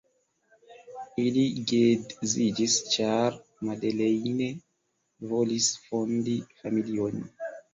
Ili geedziĝis, ĉar Madeleine volis fondi familion.